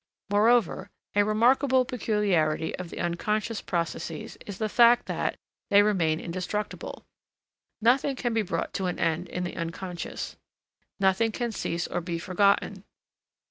Moreover, a remarkable peculiarity of the unconscious processes is the fact that they remain indestructible. Nothing can be brought to an end in the unconscious; nothing can cease or be forgotten.